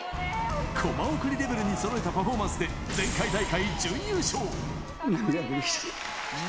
コマ送りレベルにそろえたパフォーマンスで、涙が出てきちゃった。